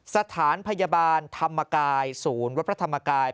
สถานพยาบาลธรรมกายศูนย์วัดพระธรรมกาย